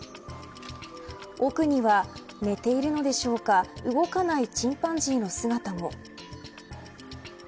奥には、寝ているのでしょうか動かないチンパンジーの姿も。